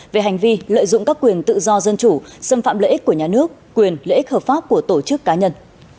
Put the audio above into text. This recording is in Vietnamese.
về hành vi lợi dụng các quyền tự do dân chủ xâm phạm lợi ích của nhà nước quyền lợi ích hợp pháp của tổ chức cá nhân